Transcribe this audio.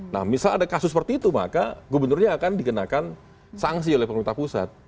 nah misal ada kasus seperti itu maka gubernurnya akan dikenakan sanksi oleh pemerintah pusat